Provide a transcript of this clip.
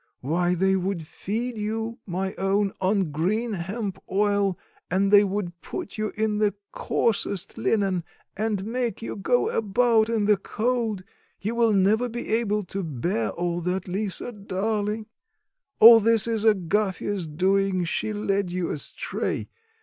Why, they would feed you, my own, on green hemp oil, and they would put you in the coarsest linen, and make you go about in the cold; you will never be able to bear all that, Lisa, darling. All this is Agafya's doing; she led you astray.